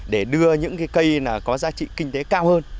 để đưa những cái cây có giá trị kinh tế cao hơn